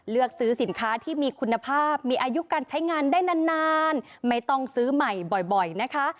เลือกซื้อสินค้าที่มีคุณภาพมีอายุการใช้งานได้นานไม่ต้องซื้อใหม่บ่อยนะคะ